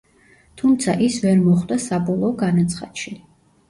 თუმცა, ის ვერ მოხვდა საბოლოო განაცხადში.